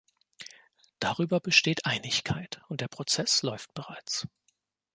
Darüber besteht Einigkeit, und der Prozess läuft bereits.